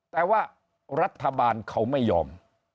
แต่ว่ารัฐบาลเขาไม่ยอม